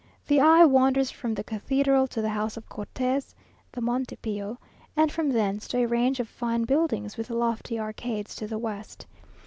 The eye wanders from the cathedral to the house of Cortes (the Monte Pio), and from thence to a range of fine buildings with lofty arcades to the west.